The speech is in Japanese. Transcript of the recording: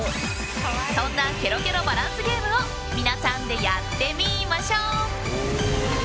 そんなけろけろバランスゲームを皆さんでやってみーましょっ！